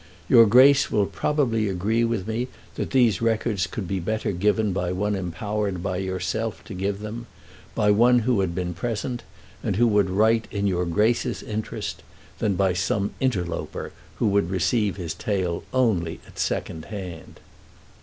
Your Grace will probably agree with me that these records could be better given by one empowered by yourself to give them, by one who had been present, and who would write in your Grace's interest, than by some interloper who would receive his tale only at second hand.